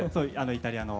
イタリアの。